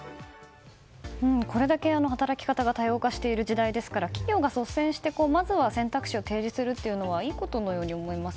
これだけ働き方が多様化している時代ですから企業が率先して、まずは選択肢を提示するというのはいいことのように思います。